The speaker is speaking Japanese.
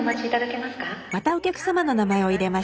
またお客様の名前を入れました。